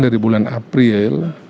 dari bulan april